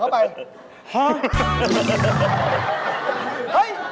ข้าวอร่อย